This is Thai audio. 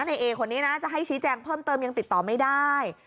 ในเอคนนี้นะจะให้ชี้แจงเพิ่มเติมยังติดต่อไม่ได้